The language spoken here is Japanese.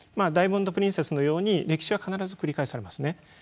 ダイヤモンド・プリンセスのように歴史は必ず繰り返されますね。